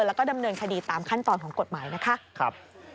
แล้วก็ดำเนินคดีตามขั้นตอนของกฎหมายนะคะ